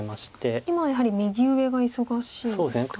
今はやはり右上が忙しいんですか？